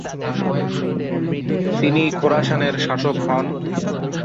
তিনি খোরাসানের শাসক হন।